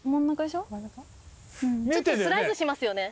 ちょっとスライスしますよね？